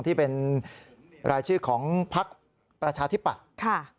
ที่เป็นรายชื่อของพักประชาธิปัตย์